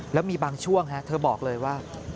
แล้วมีบางช่วงเธอบอกเลยว่า